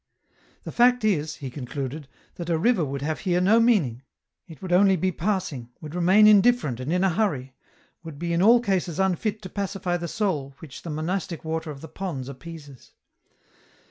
" The fact is," he concluded, " that a river would have here no meaning ; it would only be passing, would remain in different and in a hurry, would be in all cases unfit to pacify the soul which the monastic water of the ponds appeases.